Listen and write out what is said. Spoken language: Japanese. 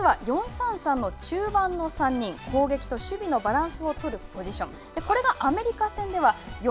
６月は４−３−３の中盤の３人攻撃と守備のバランスを取るポジション。